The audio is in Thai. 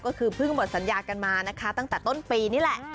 ก็คือเพิ่งหมดสัญญากันมานะคะตั้งแต่ต้นปีนี่แหละ